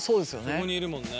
そこにいるもんね。